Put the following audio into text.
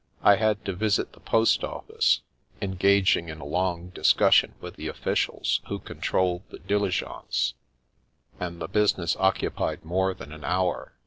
I had to visit the post office, engaging in a long dis cussion with the officials who controlled the dili gence, and the business occupied more than an hour.